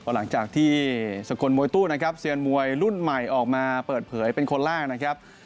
หลังจากที่สกลมวยตู้นะครับเซียนมวยรุ่นใหม่ออกมาเปิดเผยเป็นคนแรกนะครับ